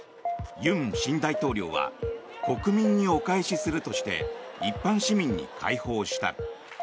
尹新大統領は国民にお返しするとして一般市民に開放した。